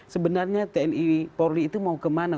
sebenarnya tni polri itu mau kemana